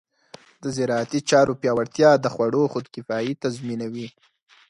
د زراعتي چارو پیاوړتیا د خوړو خودکفایي تضمینوي.